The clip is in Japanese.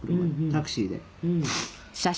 タクシーで。